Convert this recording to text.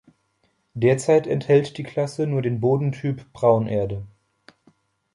Derzeit enthält die Klasse nur den Bodentyp Braunerde.